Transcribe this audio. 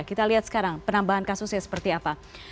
kita lihat sekarang penambahan kasusnya seperti apa